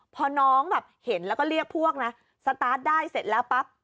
พอน้องแบบเห็นแล้วก็เรียกพวกนะสตาร์ทได้เสร็จแล้วปั๊บ